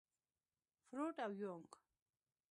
فروډ او يونګ.